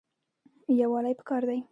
یووالی پکار دی